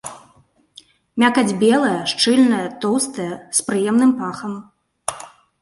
Мякаць белая, шчыльная, тоўстая, з прыемным пахам.